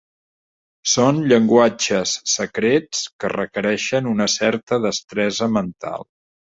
Són llenguatges secrets que requereixen una certa destresa mental.